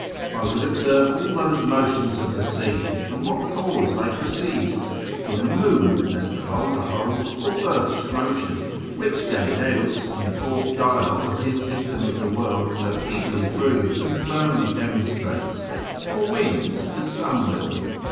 I would observe all those motions of the sea, and from what cause they proceed, from the moon (as the vulgar hold) or earth's motion, which Galileus, in the fourth dialogue of his system of the world, so eagerly proves, and firmly demonstrates; or winds, as some will.